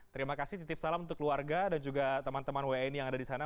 terima kasih titip salam untuk keluarga dan juga teman teman wni yang ada di sana